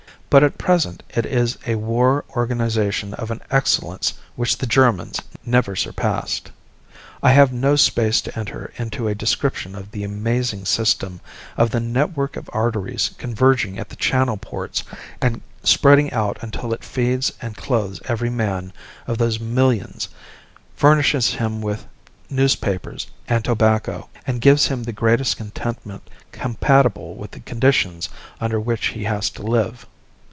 But at present it is a war organization of an excellence which the Germans never surpassed. I have no space to enter into a description of the amazing system, of the network of arteries converging at the channel ports and spreading out until it feeds and clothes every man of those millions, furnishes him with newspapers and tobacco, and gives him the greatest contentment compatible with the conditions under which he has to live.